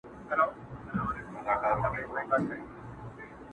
• د پښتو ادب نړۍ ده پرې روښانه.